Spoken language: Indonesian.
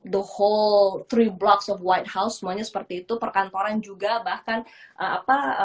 the whole tiga blocks of white house semuanya seperti itu perkantoran juga bahkan apa